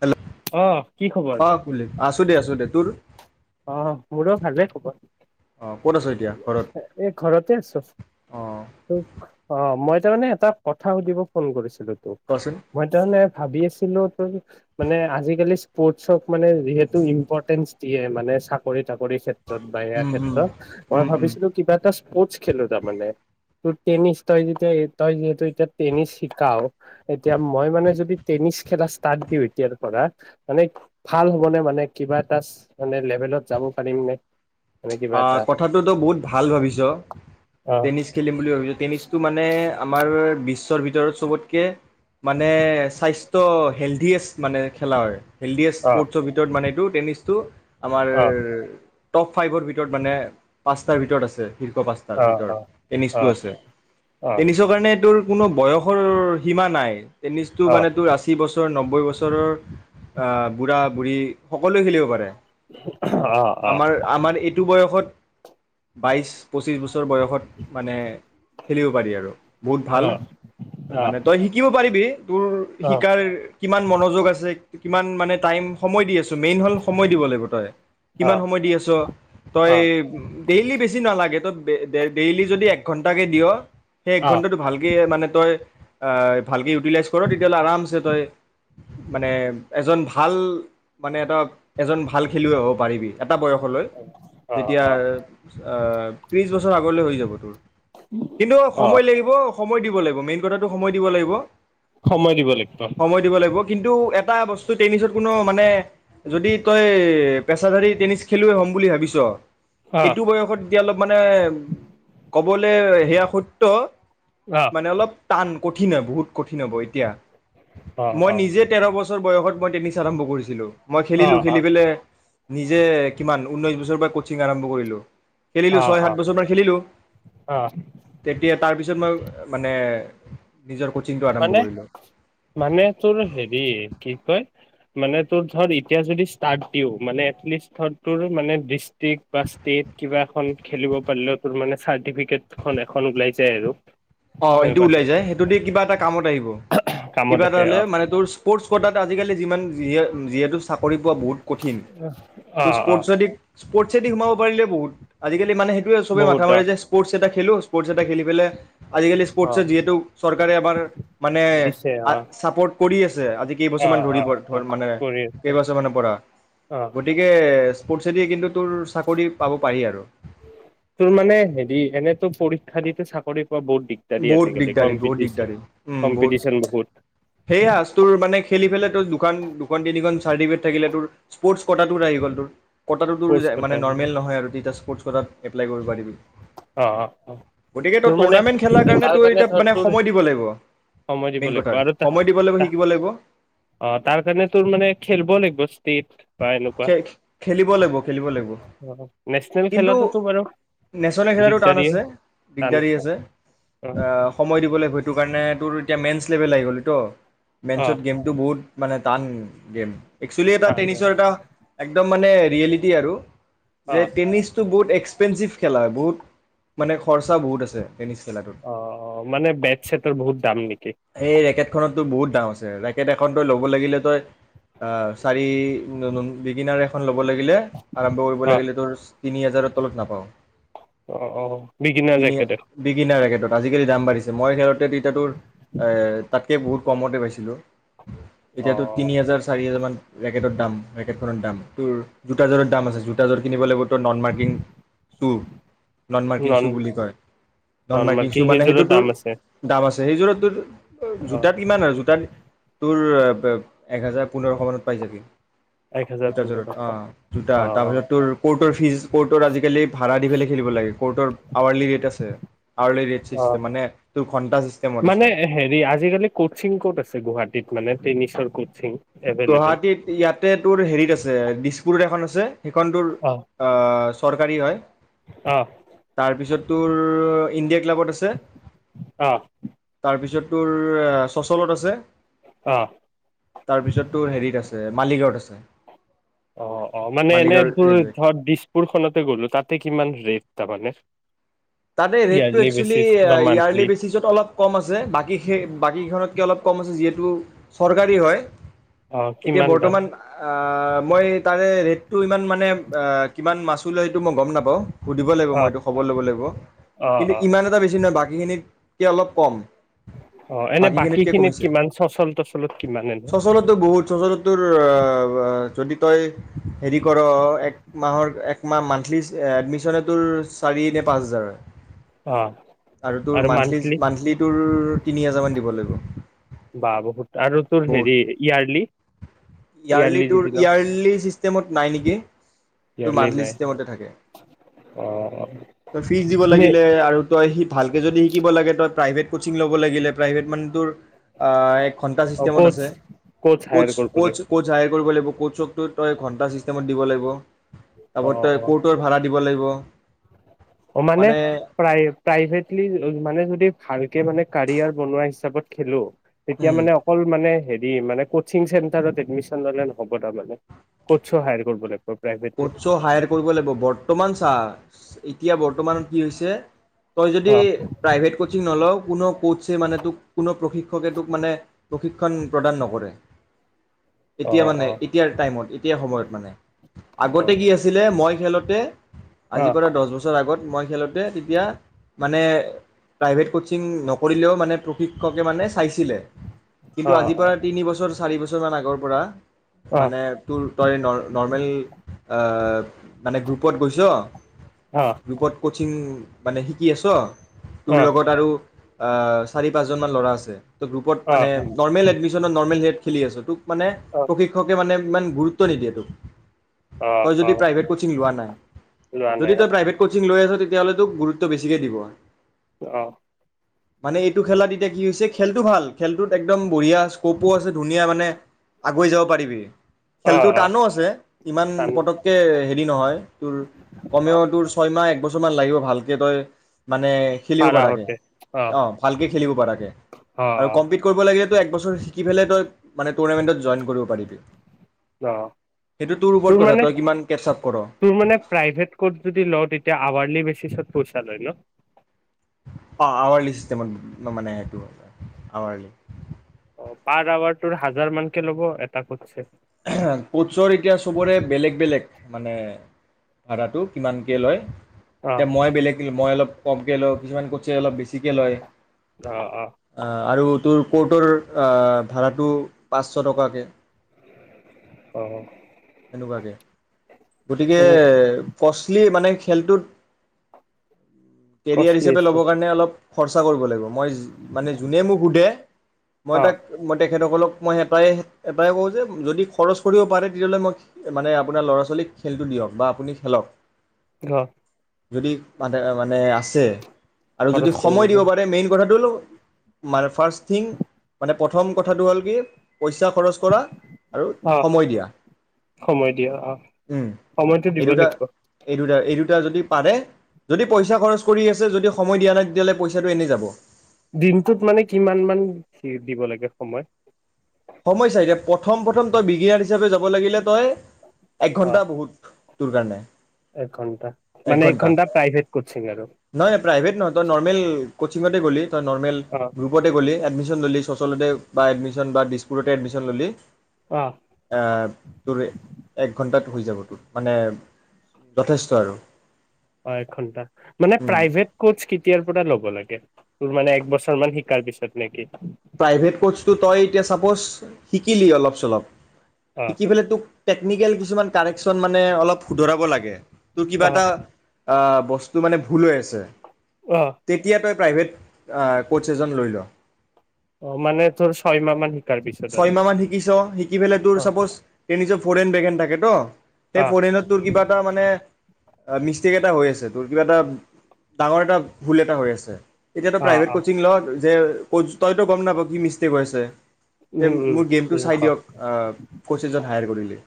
Hello অ', কি খবৰ? অ কুলি আছ আছো দে আছো দে তোৰ অ মোৰো ভালে খবৰ অ ক'ত আছ এতিয়া ঘৰত এই ঘৰতে আছো অ তোক অ মই এতিয়া মানে এটা কথা সুধিব ফোন কৰিছিলো তোক কচোন মধ্য নে ভাবি আছিলো ত মানে আজিকালি স্পৰ্টচক মানে যিহেতু ইম্পৰ্টেন্ঞ্চ দিয়ে মানে চাকৰিত চাকৰিৰ ক্ষেত্ৰত বা সেয়া উম উম ক্ষেত্ৰত মই উম উম ভাবিছিলো কিবা এটা স্পৰ্টছ খেলো তাৰমানে তো টেনিছ তই যদি তই যিহেতু এতিয়া টেনিছ শিকাও এতিয়া মই মানে যদি টেনিছ খেলা ষ্টাৰ্ট দিও এতিয়াৰ পৰা মানে ভাল হব মানে কিবা এটা মানে লেভেলত যাব পাৰিম নে মানে কিবা অ এটা? কথাটোতো বহুত ভাল ভাবিছ সময় দিব লাগিব অ', অ', টেনিছ খেলিম বুলি ভাবিছ টেনিছটো মানে আমাৰ বিশ্বৰ ভিতৰত চবতকে মানে স্বাস্থ্য হেলডিয়েষ্ট মানে খেলাৰ হেল্ডিয়েষ্ট স্পৰ্টছৰ ভিতৰত মানে এইটো টেনিছটো আমাৰ অ', টপ ফাইভৰ ভিতৰত ভিতৰত মানে পাঁচটাৰ ভিতৰত আছে শীৰ্ষ পাঁচটাৰ অ', ভিতৰত অ', টেনিছটো আছে অ', টেনিছৰ কাৰণে তোৰ কোনো বয়সৰ সীমা নাই টেনিছটো মানে টো ৰাচি বস বছৰ নব্বৈ বছৰৰ আ বুঢ়া বুঢ়ী সকলোৱে খেলিব পাৰে আহ আহ টো বয়সত বাইশ পঁচিছ বছৰ বয়সত মানে খেলিব পাৰি আৰু বহুত ভাল মানে তই শিকিব পাৰিবি তোৰ শিকাৰ কিমান মনোযোগ আছে কিমান মানে টাইম সময় দি আছোঁ মেইন হ'ল সময় দিব লাগিব তই কিমান সময় দি আছ তই ডেইলি বেছি নেলাগে ত ডে ডেইলি যদি এক ঘন্টাকে দিয় সেই এক ঘণ্টা টো ভালকে মানে তই আ ভালকে ইউটেলাইজ কৰ আৰামছে তই মানে এজন ভাল মানে এটা এজন ভাল খেলুৱৈ হ'ব পাৰিবি এটা বয়সলৈ যেতিয়া অ ত্ৰিশ বছৰ আগলৈ হৈ যাব তোৰ কিন্তু সময় লাগিব সময় দিব লাগিব মেইন কথাটো সময় দিব লাগিব সময় দিব লাগিব সময় দিব লাগিব কিন্তু এটা বস্তু টেনিছত কোনো মানে যদি তই পেছাধাৰী টেনিছ খেলুৱে হম বুলি ভাবিছ ছ এইটো বয়সত এতিয়া অলপ মানে ক'বলৈ সেয়া সুত্ৰ মানে অলপ টান কঠিন হয় বহুত কঠিন হ'ব এতিয়া মই নিজে তেৰ বছৰ তেৰ বছৰ বয়সত মই টেনিছ আৰম্ভ কৰিছিলোঁ মই খেলিলোঁ খেলি পেলাই নিজে কিমান ঊনৈশ বছৰৰ পৰা কচিং আৰম্ভ কৰিলোঁ খেলিলো অ', অ', ছয় সাত বছৰ মান খেলিলো অ', তেতিয়া তাৰ পিছত তাৰপিছত মই মানে নিজৰ কচিংটো আৰম্ভ মানে কৰিলোঁ। মানে তোৰ হেৰি কি কয় মানে তোৰ ধৰ এতিয়া যদি ষ্টাৰ্ট দিও মানে এটলিস্ট ধৰ তোৰ মানে ডিস্ট্ৰিক্ট বা ষ্টেট কিবা এখন খেলিব পাৰলি তোৰ মানে চৰ্টিফিকেট এখন ওলায় যায় আৰু অ সেইটো তেনেকুৱাতে ওলাই যায় সেইটো দি‌ কিবা এটা কামত আহিব কামত কিবা এটা আহে হলে অ', মানে তোৰ ষ্প'ৰ্টছ কোটাত আজিকালি যিমান যিয়ে যিয়ে তোৰ চাকৰি পোৱা বহুত কঠিন তো অ', অ', ষ্প'ৰ্টছে দি ষ্প' ছে দি সোমাৱ পাৰিলে বহুত আজিকালি মানে সেইটোৱে চবে বহুত মাথা অ', মাৰে যে স্পৰ্টছ এটা খেলো স্পৰ্টছ এটা খেলি পেলাই আজিকালি স্প'ৰ্টছে অ', যিহেতু চৰকাৰে আমাৰ মানে দিছে আ অ', ছাপ'ৰ্ট কৰি আছে যে আজি কেইবছৰ মান অ', ধৰি অ', ধৰ মানে কৰি আছে কেইবছৰ মানৰ পৰা অ', গতিকে ষ্প'ৰ্টছে দিয়ে কিন্তু তোৰ চাকৰি পাব পাৰি আৰু। তোৰ মানে হেৰি এনেতো পৰী শ্ষাতে চাকৰি [unintelligible] বহুত দিগদাৰি বহুত আজিকালি দিগদাৰী বহুত কম্পিটিশন কম্পিটিশন বহুত সেইয়া তোৰ মানে খেলি পেলাই তোৰ দু দুখন তিনিখন চাৰ্টিফিকট থাকিলে তোৰ স্পৰ্টছ কোটাটো আহি গ'ল তোৰ কটাটো তোৰ কৰ্চ কটা মানে নৰ্মেল নহয় আৰু তেতিয়া স্পৰ্টছ তই তাত এপ্লাই কৰিৱ পাৰিবি অ অ অ গতিকে তই তোৰ মানে টুৰ্ণামেণ্ট খেলাৰ তাৰ তোৰ কাৰণে এতিয়া ধৰ মানে তোৰ সময় দিব লাগিব সময় দিব মেইন কথা লাগিব আৰু তা সময় দিব লাগিব শিকিব লাগিব অ তাৰ কাৰণে তোৰ মানে খেল বল এক ব্যাস্ ষ্টেট বা এনেকুৱা খে খেলিব লাগিব খেলিব লাগিব নেচনেল খেলাটোতো বাৰু মানে খেলাটো টান দিগদাৰিয়ে আছে দিগদাৰি আছে অ', সময় দিব লাগিব তোৰ কাৰণে তোৰ এতিয়া মেইঞ্চ লেভেল আহি গ'ল তো মেইনছত অ', গেমটো বহুত মানে টান গেম একচুয়েলি টান হয় টেনিছৰ এটা একদম মানে ৰিয়েলিটি আৰু যে অ', টেনিছ টো বহুত এক্সপেনচিভ খেলা হয় বহুত, মানে খৰচা বহুত আছে। টেনিছ খেলাটোত। অ', মানে বেট চেটৰ বহুত দাম নেকি সেই ৰেকেটখনতো বহুত দা আচ্ছা ৰেকেট এখন তই ল'ব লাগিলে তই, এ চাৰি ই ন ন বিগিনাৰ এখন ল ল'ব লাগিলে, আৰম্ভ কৰিব লাগিলে তোৰ তিনি হাজাৰৰ তলত নাপাওঁ। অঁ, অঁ বিগিনাৰ তিনি ৰেকেটত। বিগিনাৰ ৰেকেটত আজিকালি দাম বাঢ়িছে মই খেলোঁতে তেতিয়া তোৰ, এ তাতকৈ বহুত কমতে পাইছিলোঁ। অ এতিয়াতো তিনি হেজাৰ চাৰি হাজাৰ মান ৰেক ৰেকেটৰ দাম ৰেকেটখনৰ দাম, তোৰ জোতাযোৰৰ দাম আছে জোতাযোৰ কিনিব লাগিব নন মাৰ্কিন ছো নন মাৰ্কিন ছো বুলি কয় নন নৰ্মাল মাৰ্কিন কি ছো মানে সেইযোৰৰ সেইটো দাম তোৰ আছে দাম আছ সেইযোৰত তোৰ অ জোতাত কিমান আৰু জোতাত, তোৰ এ [unintelligible] এক হেজাৰ পোন্ধৰশ মানত পাই যাবি। এক হাজাৰ পোন্ধৰ জোতাযোৰত টকা অ, জোতা অ তাৰপিছত তোৰ কৌটৰ ফিজ কৌটৰ আজিকালি ভাড়া দি পেলে খেলিব লাগে কৰটৰ আৱাৰলি ৰেট আছে, আৱাৰলি অ চিষ্টেম মানে তো মানে হেৰি আজিকালি কোচিং ক'ত আছে গুৱাহাটীত মানে টেনিছৰ কোচিং। গুৱাহাটীত ইয়াতে তোৰ হেৰিত আছে দিছপুৰত এখন আছে। সেইখনটোৰ অ আ চৰকাৰী হয়। অ তাৰপিছত তোৰ ইণ্ডিয়া ক্লাবত আছে। অ তাৰপিছত তোৰ, চচলত আছে। তাৰপিছত কে ছে মালিগাঁৱত আছে। অ অ মানে এনে মালিগাঁও তোৰ ৰেলৱেত ধৰ দিছপুৰখনতে গ'লো তাতে কিমান ৰেট তাপানে তাতে ৰেটটো একচুৱেলি ইয়েৰলি মান্থলি বেচিছত অলপ কম আছে, বাকী সেই বাকী কেখনতকে অলপ কম আছে যিহেত তু চৰকাৰী হয়। অ এতিয়া কিমান দাম বৰ্তমান আ আহ, মই তাৰে ৰেটটো ইমান মানে এ কিমান মাছুল হয় সেইটো মই গ'ম নাপাওঁ। সুধিব লাগিব অ মই এইটো খবৰ ল'ব লাগিব। অ কিন্তু অ ইমান এটা বেছ কিন্তু বাকীখিনিতকে অলপ কম। অ এনে বাকী বাকীখিনিতকে খিনিত কমিছে। কিমান চচল তচলত কিমান এনে চচলততো বহুত, চচলত তোৰ অ যদি তই হেৰি কৰ এক মাহৰ একমাহ মান এটলিষ্ট, এডমিশ্যনে তোৰ চাৰি নে পাঁচ হাজাৰ। অ আৰু তোৰ মান্থলি, মান্থলি তোৰ তিনি হাজাৰ মান দিব লাগিব। বা বহুত আৰু তোৰ বহুত হেৰি, ইয়াৰলি ইয়াৰলি যদি তোৰ, লওঁ ইয়াৰলি চিষ্টেমত নাই নেকি? তোৰ মান্থলি চিষ্টেমতে থাকে। অ--অ তই ফিজ দিব লাগিলে আৰু তই সি ভালকৈ যদি শিকিব লাগে, তই প্ৰাইভেট ক'চিং ল'ব লাগিলে, প্ৰাইভেট মানে তোৰ আ--এক ঘন্টা চিষ্টেমত কচ আছে। ক'চ, হায়াৰ ক'চ, কৰিবলৈ ক'চ হায়াৰ কৰিব লাগিব। ক'চক তো তই ঘন্টা চিষ্টেমত দিব লাগিব। অ তাৰপিছত তই অ স্পৰ্টৰ ভাড়া দিব লাগিব। ব অ মানে--প্ৰাই প্ৰাইভেটলি মানে, যদি ভাল কে মানে কেৰিয়াৰ বনোৱা হিচাপত খেলো তেতিয়া মানে, অকল মানে হে ৰি মানে, কোচিং চেণ্টাৰত এডমিছন ল'লে নহ'ব তাৰ মানে কোচো হায়াৰ কৰিব লাগিব। প্ৰাইভেটলি কোচও হায়াৰ কৰিব লাগিব। বৰ্তমান চা এতিয়া বৰ্তমানত কি হৈছে, তই যদি অ প্ৰাইভেট কোচিং নলওঁ, কোনো কোচয়ে মানে তোক কোনো প্ৰশিক্ষকে তোক মানে প্ৰশিক্ষণ প্ৰদান নকৰে। অ এতিয়া মানে, অ এতিয়াৰ টাইমত, এতিয়া সময়ত মানে আগতে কি আছিলে মই খেলোঁতে অ আজিৰ পৰা দহ বছৰ আগত মই খেলোঁতে তেতিয়া মানে, প্ৰাইভেট কোচিং নকৰিলেও মানে, প্ৰশিক্ষকে মানে, চাইছিলে। অ অ কিন্তু আজিৰ পৰা তিনি বছৰ চাৰি বছৰ মান আগৰ পৰা অ অ মানে তোৰ তই নৰ্মেল মানে গ্ৰুপত গৈছ অ ৰূপত কচিং মানে শিকি আছ। তোৰ লগত আৰু আ, চাৰি পাঁচজনমান ল'ৰা আছে। গ্ৰুপত অ অ মানে নৰ্মল এডমি নৰ্মেল হেয়ত খেলি আছে তোক মানে প্ৰশিক্ষকে মানে ইমান গুৰুত্ব নিদিয় তোক। অ তই অ যদি প্ৰাইভেট কচিং লোৱা নাই, লোৱা নাই যদি অ তই প্ৰাইভেট কচিং লৈ আছ। তেতিয়াহ'লে তোক গুৰুত্ব বেছিকে দিব। অ'। মানে এইটো খেলাত এতিয়া কি হৈছে খেলটো ভাল, খেলটোত একদম বঢ়িয়া স্কপো আছে ধুনীয়া মানে আগুৱাই যাব পাৰিবি। অ খেলটো টানো আছে। ইমান পতককে হেৰি নহয় তোৰ অ কমেও তোৰ ছয় মাহ একবছৰ। কিছুমান লাগিব ভালকে তই। মানে খেলিব পাৰা পৰাকৈ হতে অ অঁ ভালকৈ খেলিব পৰাকৈ অ অ আৰু কম্পলিট কৰিব লাগিলে একছৰ শিকি পেলাই তই মানে টুৰ্নামেণ্টত জইন কৰিব পাৰিবি। অ কিন্তু, তোৰ মানে, তোৰ মানে প্ৰাইভেত কৰ্চ যদি লৱ তেতিয়া আওৱাৰলি মেচিচত পইচা লয় ন। অ' আৱাৰলি চিষ্টেমত মানে সেইটো আৱাৰলি। অ' পাৰ আৱাৰ তোৰ হাজাৰ মানকে ল'ব এটা কৰছে। কোৰ্ছৰ এতিয়া চবৰে বেলেগ বেলেগ মানে ভাৰাটো কিমানকে লয়। অ এতিয়া মই বেলেগ, মই অলপ। কমকৈ লওঁ কিছুমান কৰ্ছে অলপ বেছিকৈ লয়, অ অ আৰু তোৰ। ক'ৰ্টৰ ভাড়াটো পাঁচশ টকাকৈ। অ'। সেনেকুৱাকে, গতিকে অ কষ্টলি মানে। খেলটোত কেৰিয়াৰ কষ্টলি হিচাপে আছে ল'বৰ কাৰণে অলপ খৰচা কৰিব লাগিব। মই মানে যোনে মোক সোধে মই অ তাক মই তেখেতসকলক মই এটাই-এটাই কওঁ যে, যদি খৰচ কৰিব পাৰে, তেতিয়াহ'লে মই মানে আপোনাৰ ল'ৰা ছোৱালীক খে'লটো দিয়ক বা আপুনি খেলক। [unintelligible] যদি ম-মানে আছে। আৰু যদি খৰচ কৰিব সময় দিব পাৰি পাৰে মেইন, কথাটো মানে ফাৰ্ষ্ট থিং মানে প্ৰথম কথাটো হ'ল কি পইচা খৰচ কৰা আৰু অ সময় দিয়া। সময় দিয়া। অ, উম সময়টো এই দিব দুটা লাগিব। এই দুটা এই দুটা যদি পাৰে যদি পইচা খৰচ কৰি আছে, যদি সময় দিয়া নাই, তেতিয়াহলে পইচাটো এনে যাব। দিনটোত মানে কিমান মান দিব লাগে সময়? সময়্যা এতিয়া প্ৰথম প্ৰথম তই কিনাৰ হিচাপে যাব লাগিলে, তই একঘণ্টা বহুত। টোৰ কাৰণে। একঘণ্টা মানে, এক ঘণ্টা প্ৰাইভেট কোচিং আৰু। নহ তই নৰ্মেল কোচিঙতে গ'লি। নৰ্মেল অ গ্ৰূপতে গ'লে এডমিছ চচলতে বা এডমিচন বা দিচ ক'োতে [unintelligible] এডমিশন ল'লি। অ এ, তোৰ এক ঘন্টাাত হৈ যাব টোৰ, মানে যথেষ্ট আৰু। অ, এঘন্টা মানে উম, প্ৰাইভেট কচ কেতিয়াৰ পৰা ল'ব লাগে। তোৰ মানে এক বছৰ মান শিকাৰ পিছত নেকি? প্ৰাইভেট ক'ৰ্চটো তই এতিয়া চাপ'জ শিকিলি অলপ, চলপ। অ শিকি পেল তোক টেকনিকেল কিছুমান কাৰেকচন মানে অলপ শুধৰাব লাগে। তোৰ কিবা অ এটা? আহ বস্তু মানে ভুল হৈ আছে। অ তেতিয়া তই প্ৰাইভ ক' এ লৈ ল [unintelligible] অ, মানে তোৰ ছয় মাহ মান শিকাৰ পিছত আৰু ছয়মাহ মান শিকিছ শিকি পেললে তোৰ অ চাপজ তেনিজ ফোন বেগেন থাকে ত স ফৰেনত তোৰ কিবা এটা মানে মিষ্টেক এটা হৈ আছে, তোৰ কিবা এটা ডাঙৰ এটা ভুল এটা হৈ আছে। এতিয়াটো অ অ প্ৰাইভেট কচিং ল। যে ক-তইতো গম নাপ কি মিষ্টেক হৈছে। তে উম উম মোৰ গেমটো উম চাই অ দিয়ক কোচ এছজন হায়াৰ কৰিলে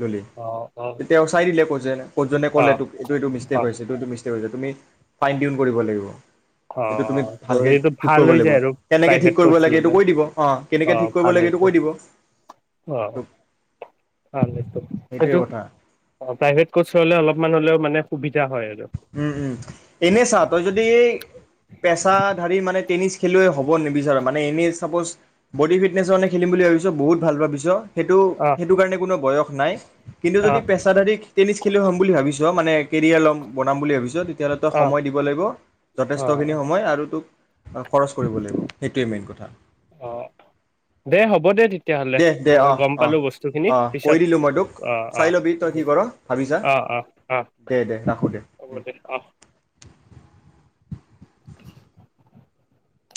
ধল অ অ তে তেওঁ চাই দিলে কৈ যেনে ক'তজনে অ ক'লে তোক এইটো এইটো মিষ্টেক হৈছে এইটো এইটো মিষ্টেক হৈছে তুমি ফাইন টিউন কৰিব লাগিব অ অ এইটো তুমি ত ভালকে এইটো ঠিক ভাল কৰিব হৈ লাগিব যায় আৰু কেনেকে ঠিক কৰিব লাগে এইটো কৈ দিব অ কেনেকে অঁ ঠিক কৰিব ভাল লাগে এইটো হৈছে কৈ দিব অঁ ভাল সেইটোৱে সেইটো কথা অঁ প্ৰাইভেট কোচ হলে অলপমান হ'লেও মানে ুবি [unintelligible] উম উম এনে চা যদি এই পেছাধাৰী মানে টেনিছ খেলুৱৈ হ'ব নিবিচাৰোঁ মানে এনেই ছাপ'জ বডি ফিটনেছৰ মানে খেলিম বুলি ভাবিছঁ বহুত ভাল ভাবিছঁ সেইটো অ সেইটো কাৰণে কোনো বয়স নাইচ কিন্তু অ যদি পেছাদাৰী টেনিছ খেলি হ'ম বুলি ভাবিছঁ মানে কেৰিয়াৰ ল'ম বনাম বুলি ভাবিছ তেতিয়'লে তই অ সময় দিব লাগিব অ যথেষ্টখিনি সময় আৰু তোক খৰচ কৰিব লাগিব সেইটোৱেই মেইন কথা অ দে হ'ব দে তেতিয়াহ'লে দে দে মই অহ গম অহ পালোঁ বস্তুখিনি অহ কৈ পিছত দিলোঁ মই তোক অঁ চাই অঁ ল'বি তই কি হ'ব কৰ ভাবি চা অঁ অঁ অঁ দে দে ৰাখোঁ হ'ব দে অঁ [inaudible]